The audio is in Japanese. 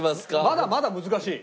まだまだ難しい？